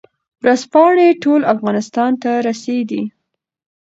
ورځپاڼې ټول افغانستان ته رسېدې.